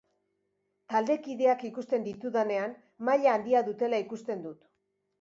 Taldekideak ikusten ditudanean, maila handia dutela ikusten dut.